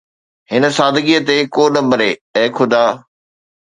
هن سادگيءَ تي ڪو نه مري، اي خدا